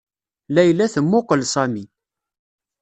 Layla temmuqqel Sami.